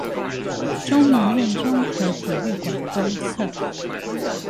中研院綜合體育館東側